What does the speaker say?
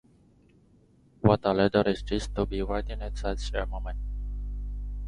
What a letter is this, to be written at such a moment!